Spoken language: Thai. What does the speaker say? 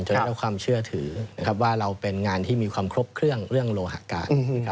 ได้รับความเชื่อถือว่าเราเป็นงานที่มีความครบเครื่องเรื่องโลหะการ